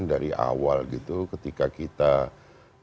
dari awal ketika kita mencari